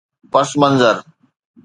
پس منظر